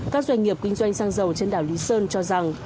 các doanh nghiệp kinh doanh xăng dầu trên đảo lý sơn cho rằng